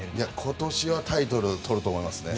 今年はタイトルとると思います。